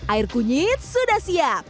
air kunyit sudah siap